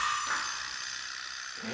え？